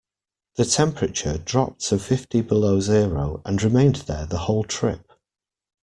The temperature dropped to fifty below zero and remained there the whole trip.